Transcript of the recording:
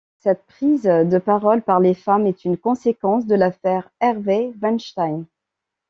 Cette prise de parole par les femmes est une conséquence de l'affaire Harvey Weinstein.